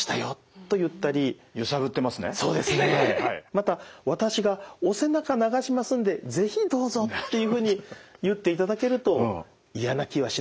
また「私がお背中流しますんで是非どうぞ」っていうふうに言っていただけると嫌な気はしないはずですからね。